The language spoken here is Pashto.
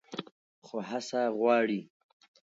خو هڅه غواړي.